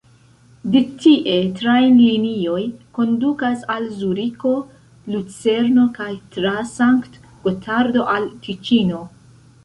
De tie trajnlinioj kondukas al Zuriko, Lucerno kaj tra Sankt-Gotardo al Tiĉino.